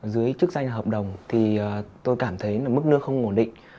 dưới chức danh hợp đồng thì tôi cảm thấy mức nước không ổn định